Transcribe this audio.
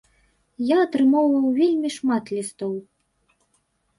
Я атрымоўваў вельмі шмат лістоў.